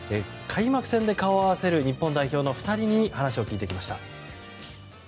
開幕戦で顔を合わせる日本代表の２人に話を聞いてきました。